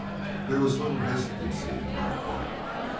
There was little hesitancy in Black Bart.